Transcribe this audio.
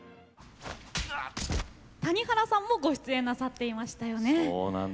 谷原さんもご出演なさってましたよね。